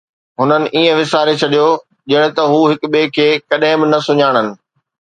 هنن ائين وساري ڇڏيو ڄڻ ته هو هڪ ٻئي کي ڪڏهن به نه سڃاڻن